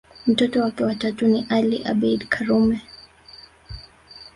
Mtoto wake wa tatu ni Ali Abeid Karume